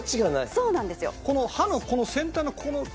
そうなんですよ。